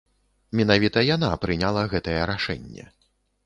Менавіта яна прыняла гэтае рашэнне.